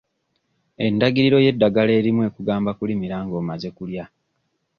Endagiriro y'eddagala erimu ekugamba kulimira ng'omaze kulya.